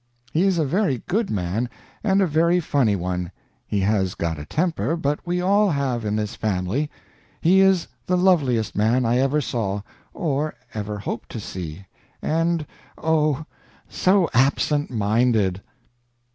"He is a very good man, and a very funny one; he has got a temper, but we all have in this family. He is the loveliest man I ever saw, or ever hope to see, and oh, so absent minded!"